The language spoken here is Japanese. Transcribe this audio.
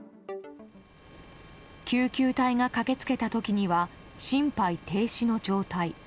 救急隊が駆け付けた時には心肺停止の状態。